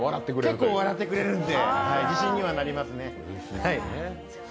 結構笑ってくれるので、自信にはなりますね。